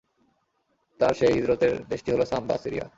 তার সেই হিজরতের দেশটি হল শাম বা সিরিয়া।